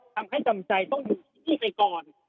ทำให้จำใจต้องอยู่ที่นี่ไปก่อน